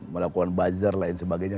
melakukan buzzer lain sebagainya